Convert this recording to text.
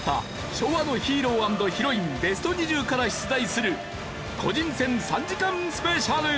昭和のヒーロー＆ヒロインＢＥＳＴ２０から出題する個人戦３時間スペシャル。